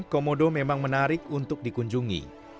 komodo memang menarik untuk dikunjungi